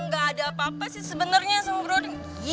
gak ada apa apa sih sebenernya sama brody